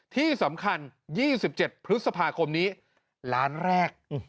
ที่สำคัญ๒๗พฤษภาคมนี้ล้านแรก